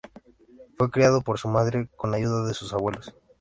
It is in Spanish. Fue criado por su madre con ayuda de sus abuelos.